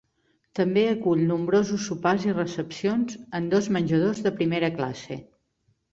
També acull nombrosos sopars i recepcions en dos menjadors de primera classe.